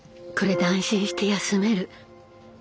これで安心して休める」。